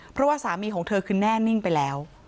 เพราะว่าสามีของเธอคือแน่นิ่งไปแล้ว